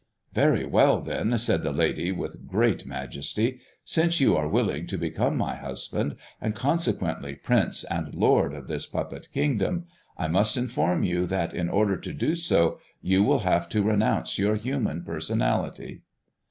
"Very well, then," said the lady, with great majesty, "since you are willing to become my husband, and consequently prince and lord of this puppet kingdom, I must inform you that in order to do so you will have to renounce your human personality."